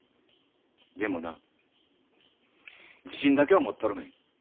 でもな自信だけは持っとるねん。